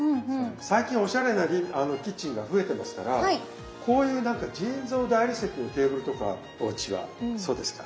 最近おしゃれなキッチンが増えてますからこういう何か人造大理石のテーブルとかおうちはそうですか？